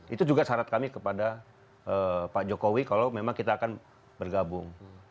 itu juga syarat kami kepada pak jokowi kalau memang kita akan bergabung